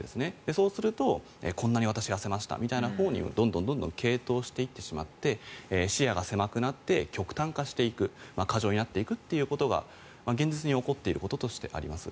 そうすると、こんなに私痩せましたみたいなほうにどんどん傾倒していってしまって視野が狭くなって極端化していく過剰になっていくということが現実に起こっていることとしてあります。